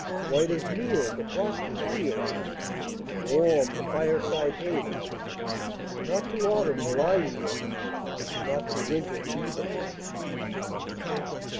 White as meal the frosty field Warm the fireside haven Not to autumn will I yield, Not to winter even!